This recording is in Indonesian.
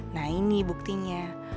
nah ini buktinya